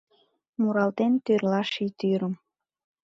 Муралтен, тӱрла ший тӱрым